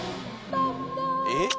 えっ？